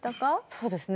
そうですね